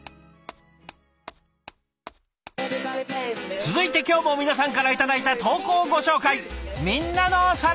続いて今日も皆さんから頂いた投稿をご紹介。